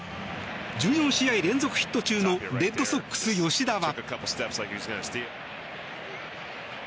１４試合連続ヒット中のレッドソックス、吉田は。